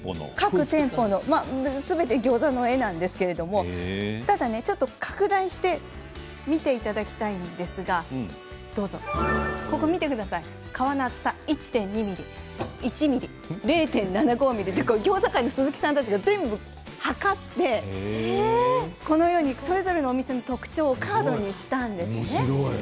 すべてギョーザの絵なんですけれどちょっと拡大して見ていただきたいんですが見てください皮の厚さ１．２ｍｍ１ｍｍ、０．７５ｍｍ餃子会の鈴木さんたちが全部測ってこのように、それぞれのお店の特徴をカードにしたんですね。